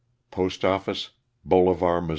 Postoffice, Bolivar, Mo.